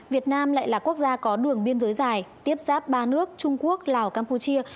việt nam lại là quốc gia có đường biên giới dài tiếp giáp ba nước trung quốc lào campuchia